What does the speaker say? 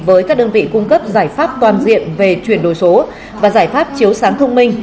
với các đơn vị cung cấp giải pháp toàn diện về chuyển đổi số và giải pháp chiếu sáng thông minh